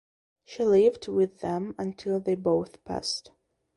She lived with them until they both passed.